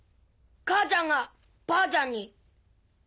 母ちゃんがばあちゃんに。